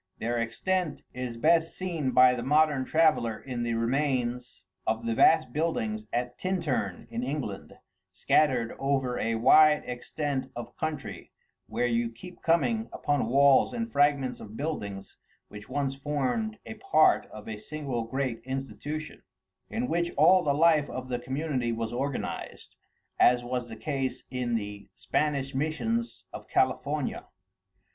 Their extent is best seen by the modern traveller in the remains of the vast buildings at Tintern in England, scattered over a wide extent of country, where you keep coming upon walls and fragments of buildings which once formed a part of a single great institution, in which all the life of the community was organized, as was the case in the Spanish missions of California.